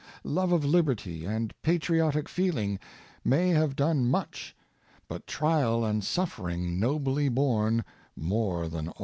Love of liberty and patriotic feeling may have done much^ but trial and suffering nobly borne more than all.